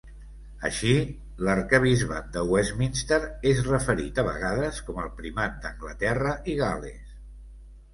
Així, l'arquebisbat de Westminster és referit a vegades com el primat d'Anglaterra i Gal·les.